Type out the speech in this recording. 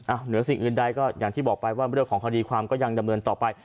เหนือสิ่งอื่นใดก็อย่างที่บอกไปว่าเรื่องของคดีความก็ยังดำเนินต่อไป